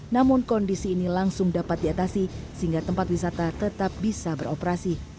namun kondisi ini langsung dapat diatasi sehingga tempat wisata tetap bisa beroperasi